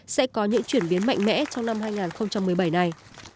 sẽ có những chuyển biến mạnh mẽ trong năm hai nghìn một mươi bảy này